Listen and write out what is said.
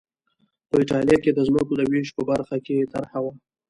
په اېټالیا کې د ځمکو د وېش په برخه کې طرحه وه